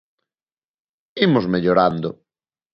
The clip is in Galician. Imos mellorando.